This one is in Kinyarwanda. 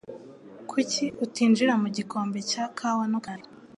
Kuki utinjira mu gikombe cya kawa no kuganira?